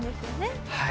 はい。